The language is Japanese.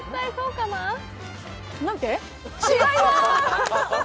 違います。